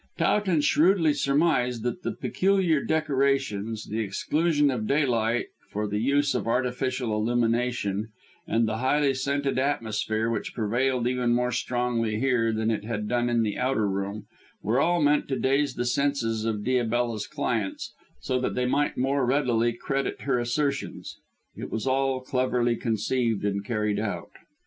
Towton shrewdly surmised that the peculiar decorations, the exclusion of daylight for the use of artificial illumination, and the highly scented atmosphere which prevailed even more strongly here than it had done in the outer room, were all meant to daze the senses of Diabella's clients so that they might more readily credit her assertions. It was all cleverly conceived and carried out.